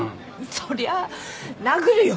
そりゃあ殴るよ！